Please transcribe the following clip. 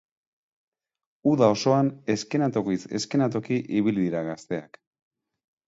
Uda osoan eskenatokiz eskenatoki ibili dira gazteak.